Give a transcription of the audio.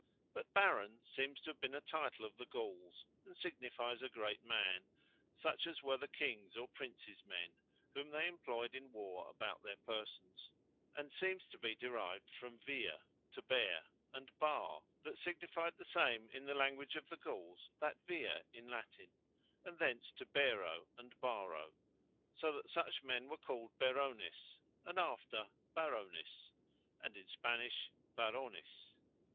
But Baron, seems to have been a Title of the Gaules, and signifies a Great man; such as were the Kings, or Princes men, whom they employed in war about their persons; and seems to be derived from Vir, to Ber, and Bar, that signified the same in the Language of the Gaules, that Vir in Latine; and thence to Bero, and Baro: so that such men were called Berones, and after Barones; and (in Spanish) Varones.